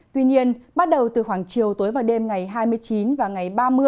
tuy nhiên bắt đầu từ khoảng chiều tối và đêm ngày hai mươi chín và ngày ba mươi